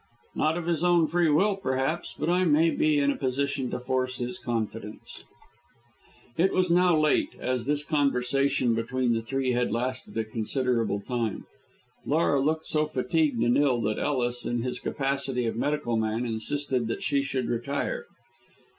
"Not of his own free will, perhaps, but I maybe in a position to force his confidence." It was now late, as this conversation between the three had lasted a considerable time. Laura looked so fatigued and ill that Ellis, in his capacity of medical man, insisted that she should retire.